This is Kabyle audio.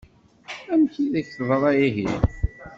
Amek i d-ak-teḍṛa ihi?